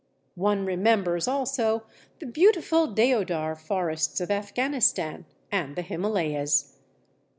One remembers also the beautiful Deodar forests of Afghanistan, and the Himalayas.